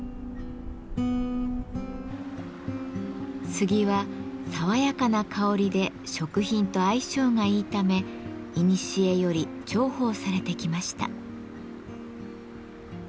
杉は爽やかな香りで食品と相性がいいためいにしえより重宝されてきました。